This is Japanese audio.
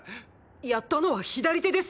やったのは左手です。